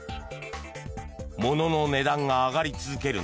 ものの値段が上がり続ける